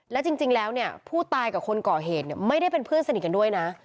และจริงแล้วเนี่ยผู้ตายกับคนก่อเหตุเนี่ยไม่ได้เป็นเพื่อนสนิทกันด้วยนะ